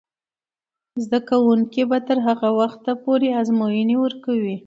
زده کوونکې به تر هغه وخته پورې ازموینې ورکوي.